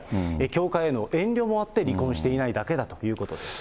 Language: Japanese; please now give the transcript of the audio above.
教会への遠慮もあって、離婚していないだけだということです。